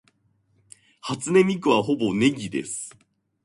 初音ミクはほぼネギです